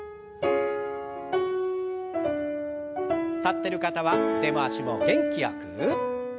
立ってる方は腕回しも元気よく。